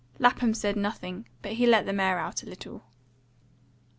Lapham said nothing, but he let the mare out a little.